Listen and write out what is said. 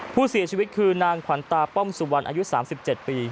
ผู้เสียชีวิตคือนางขวัญตาป้อมสุวรรณอายุ๓๗ปี